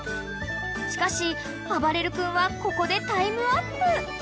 ［しかしあばれる君はここでタイムアップ］